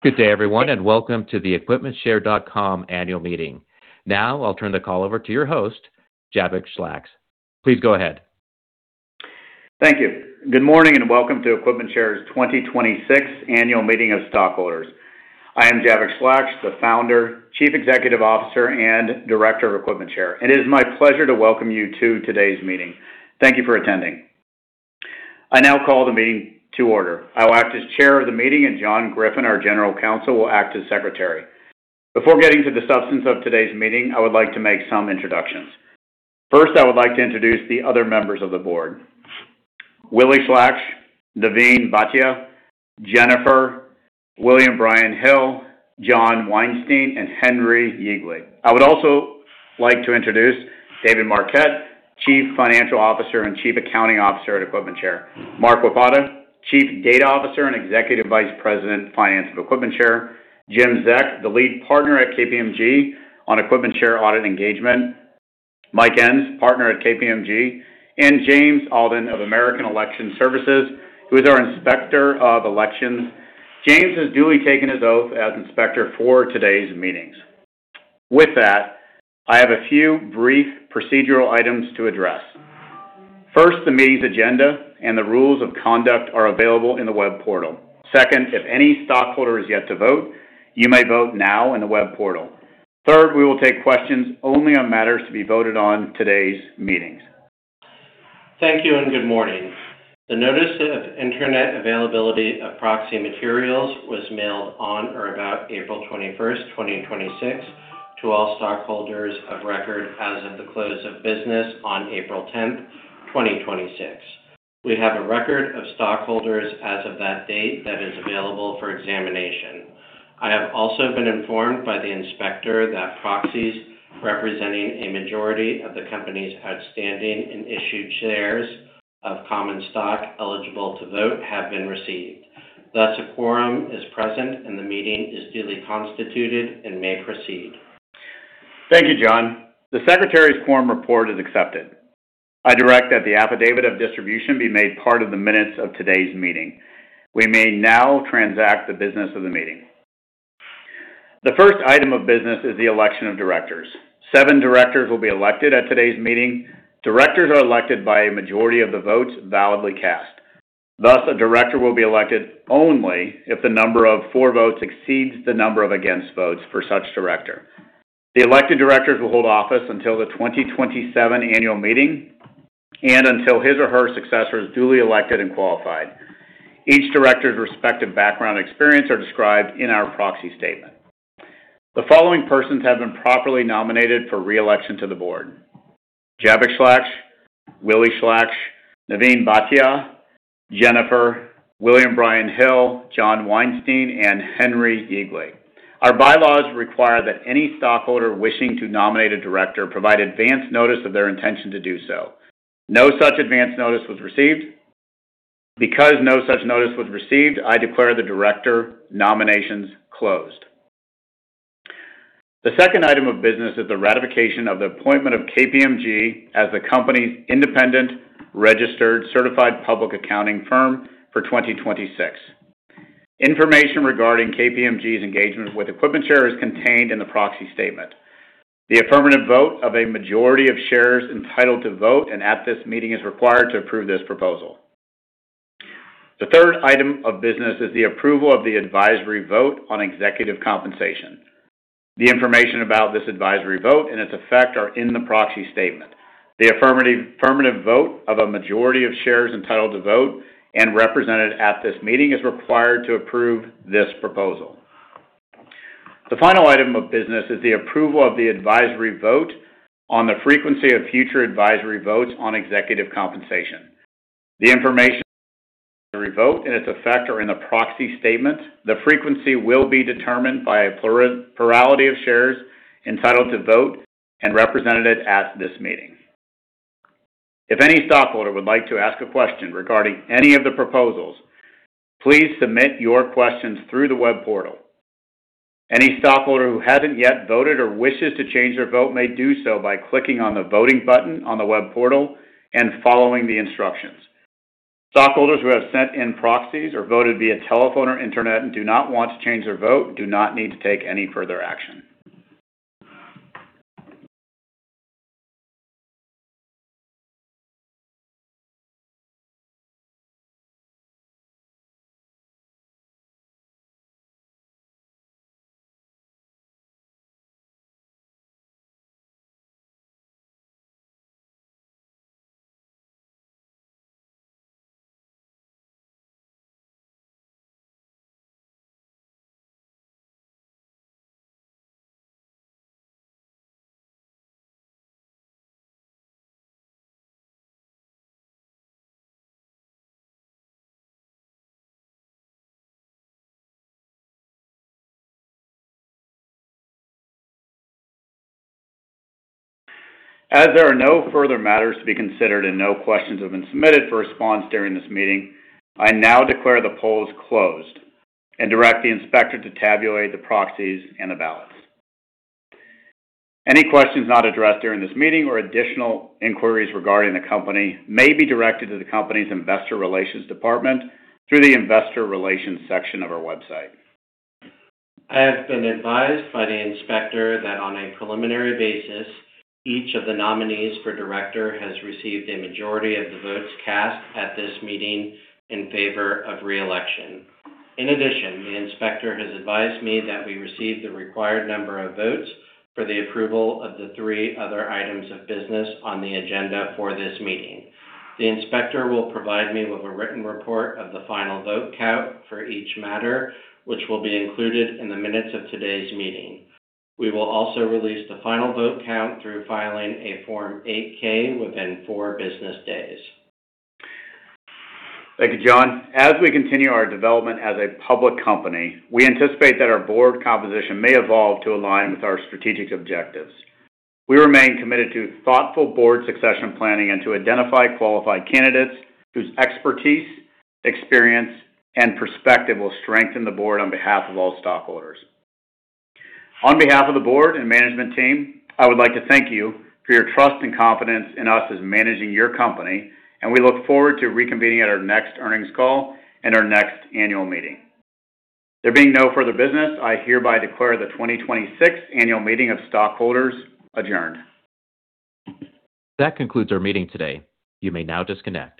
Good day everyone, welcome to the EquipmentShare.com annual meeting. Now I'll turn the call over to your host, Jabbok Schlacks. Please go ahead. Thank you. Good morning and welcome to EquipmentShare's 2026 annual meeting of stockholders. I am Jabbok Schlacks, the Founder, Chief Executive Officer, and Director of EquipmentShare, and it is my pleasure to welcome you to today's meeting. Thank you for attending. I now call the meeting to order. I will act as Chair of the meeting, and John Griffin, our General Counsel, will act as Secretary. Before getting to the substance of today's meeting, I would like to make some introductions. First, I would like to introduce the other members of the Board, Willy Schlacks, Naveen Bhatia, Jennifer, William Brian Hill, John Weinstein, and Henry Yeagley. I would also like to introduce David Marquardt, Chief Financial Officer and Chief Accounting Officer at EquipmentShare, Mark Wopata, Chief Data Officer and Executive Vice President, Finance of EquipmentShare, Jim Zeck, the Lead Partner at KPMG on EquipmentShare audit engagement, Mike Ensz, Partner at KPMG, and James Alden of American Election Services, who is our Inspector of Elections. James has duly taken his oath as Inspector for today's meetings. With that, I have a few brief procedural items to address. First, the meeting's agenda and the rules of conduct are available in the web portal. Second, if any stockholder is yet to vote, you may vote now in the web portal. Third, we will take questions only on matters to be voted on in today's meetings. Thank you and good morning. The notice of internet availability of proxy materials was mailed on or about April 21st, 2026 to all stockholders of record as of the close of business on April 10th, 2026. We have a record of stockholders as of that date that is available for examination. I have also been informed by the inspector that proxies representing a majority of the company's outstanding and issued shares of common stock eligible to vote have been received. Thus, a quorum is present, and the meeting is duly constituted and may proceed. Thank you, John. The secretary's quorum report is accepted. I direct that the affidavit of distribution be made part of the minutes of today's meeting. We may now transact the business of the meeting. The first item of business is the election of directors. Seven directors will be elected at today's meeting. Directors are elected by a majority of the votes validly cast. Thus, a director will be elected only if the number of for votes exceeds the number of against votes for such director. The elected directors will hold office until the 2027 annual meeting and until his or her successor is duly elected and qualified. Each director's respective background experience are described in our proxy statement. The following persons have been properly nominated for re-election to the board: Jabbok Schlacks, Willy Schlacks, Naveen Bhatia, Jennifer, William Brian Hill, John Weinstein, and Henry Yeagley. Our bylaws require that any stockholder wishing to nominate a director provide advance notice of their intention to do so. No such advance notice was received. Because no such notice was received, I declare the director nominations closed. The second item of business is the ratification of the appointment of KPMG as the company's independent registered certified public accounting firm for 2026. Information regarding KPMG's engagement with EquipmentShare is contained in the proxy statement. The affirmative vote of a majority of shares entitled to vote and at this meeting is required to approve this proposal. The third item of business is the approval of the advisory vote on executive compensation. The information about this advisory vote and its effect are in the proxy statement. The affirmative vote of a majority of shares entitled to vote and represented at this meeting is required to approve this proposal. The final item of business is the approval of the advisory vote on the frequency of future advisory votes on executive compensation. The information vote and its effect are in the proxy statement. The frequency will be determined by a plurality of shares entitled to vote and represented at this meeting. If any stockholder would like to ask a question regarding any of the proposals, please submit your questions through the web portal. Any stockholder who hasn't yet voted or wishes to change their vote may do so by clicking on the voting button on the web portal and following the instructions. Stockholders who have sent in proxies or voted via telephone or internet and do not want to change their vote do not need to take any further action. As there are no further matters to be considered and no questions have been submitted for response during this meeting, I now declare the polls closed and direct the inspector to tabulate the proxies and the ballots. Any questions not addressed during this meeting or additional inquiries regarding the company may be directed to the company's investor relations department through the investor relations section of our website. I have been advised by the inspector that on a preliminary basis, each of the nominees for director has received a majority of the votes cast at this meeting in favor of re-election. In addition, the inspector has advised me that we received the required number of votes for the approval of the three other items of business on the agenda for this meeting. The inspector will provide me with a written report of the final vote count for each matter, which will be included in the minutes of today's meeting. We will also release the final vote count through filing a Form 8-K within four business days. Thank you, John. As we continue our development as a public company, we anticipate that our board composition may evolve to align with our strategic objectives. We remain committed to thoughtful board succession planning and to identify qualified candidates whose expertise, experience, and perspective will strengthen the board on behalf of all stockholders. On behalf of the board and management team, I would like to thank you for your trust and confidence in us as managing your company, and we look forward to reconvening at our next earnings call and our next annual meeting. There being no further business, I hereby declare the 2026 annual meeting of stockholders adjourned. That concludes our meeting today. You may now disconnect.